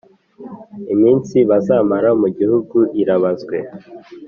iminsi bazamara mu gihugu irabazwe